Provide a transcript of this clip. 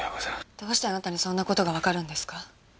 どうしてあなたにそんな事がわかるんですか？